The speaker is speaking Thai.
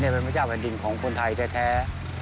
เป็นพระเจ้าแผ่นดินของคนไทยแท้